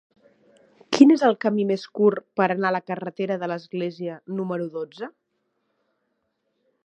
Quin és el camí més curt per anar a la carretera de l'Església número dotze?